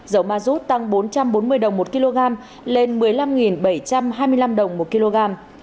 giá dầu mazut tăng bốn trăm bốn mươi đồng một kg lên một mươi năm bảy trăm hai mươi năm đồng một kg